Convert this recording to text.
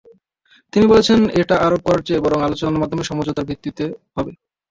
তিনি বলেছেন, এটা আরোপ করার চেয়ে বরং আলোচনার মাধ্যমে সমঝোতার ভিত্তিতে হবে।